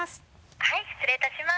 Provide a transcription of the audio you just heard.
はい失礼いたします。